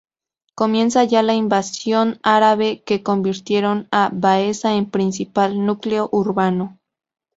Comienza ya la invasión árabe que convirtieron a Baeza en principal núcleo urbano.